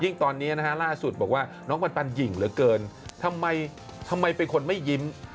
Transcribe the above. ตอนนี้นะฮะล่าสุดบอกว่าน้องปันหญิงเหลือเกินทำไมเป็นคนไม่ยิ้ม